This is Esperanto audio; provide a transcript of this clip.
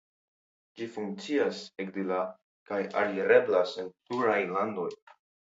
Ĝi funkcias ekde la kaj alireblas en pluraj landoj.